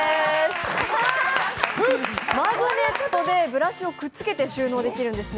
マグネットでブラシをくっつけて収納できるんですね。